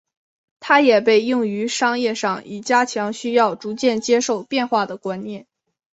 它也被用于商业上以加强需要逐渐接受变化的观念。